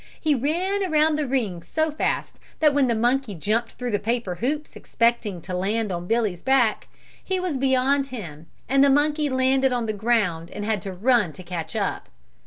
He ran around the ring so fast that when the monkey jumped through the paper hoops expecting to land on Billy's back, he was beyond him and the monkey landed on the ground and had to run to catch up.